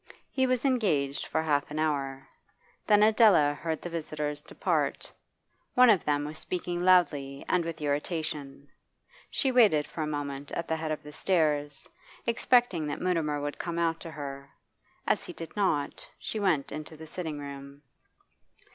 He was engaged for half an hour. Then Adela heard the visitors depart; one of them was speaking loudly and with irritation. She waited for a moment at the head of the stairs, expecting that Mutimer would come out to her. As he did not, she went into the sitting room.